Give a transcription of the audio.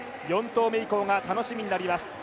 ４投目以降が楽しみになります。